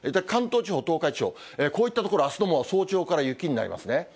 関東地方、東海地方、こういった所、あすの早朝から雪になりますね。